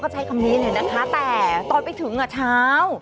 ใช้คำนี้เลยนะคะแต่ตอนไปถึงเช้า